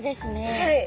はい。